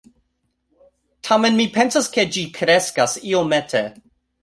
Tamen, mi pensas, ke ĝi kreskas iomete